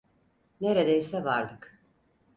Neredeyse vardık.